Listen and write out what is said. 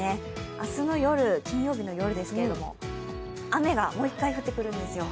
明日の夜、金曜日の夜ですが雨がもう一回降ってくるんですよ。